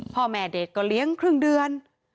พ่อแม่เด็กก็เลี้ยงครึ่งเดือน